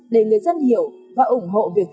để người dân hiểu và ủng hộ